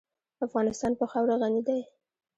افغانستان په خاوره غني دی.